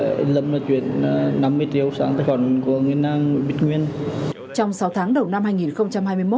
và anh lâm gửi xuống tài khoản của tôi và tôi gửi đường link sang cho anh lâm